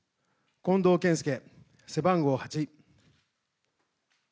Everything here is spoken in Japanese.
近藤健介、背番号８。